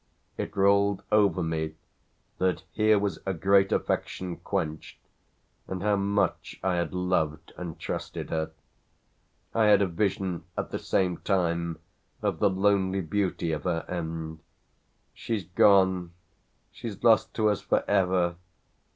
It rolled over me that here was a great affection quenched, and how much I had loved and trusted her. I had a vision at the same time of the lonely beauty of her end. "She's gone she's lost to us for ever!"